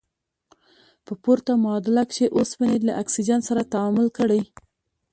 په پورته معادله کې اوسپنې له اکسیجن سره تعامل کړی.